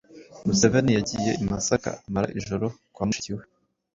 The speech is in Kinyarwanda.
Museveni yagiye i Masaka amara ijoro kwa mushiki we,